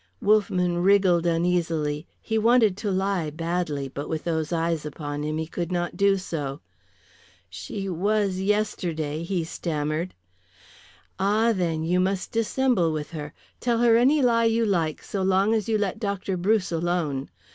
Wolffman wriggled uneasily. He wanted to lie badly, but with those eyes upon him he could not do so. "She was yesterday," he stammered. "Ah, then, you must dissemble with her. Tell her any lie you like so long as you let Dr. Bruce alone.